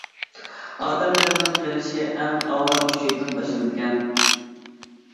ئادەم بەدىنىنىڭ قېرىشى ئەڭ ئاۋۋال ئۈچەيدىن باشلىنىدىكەن.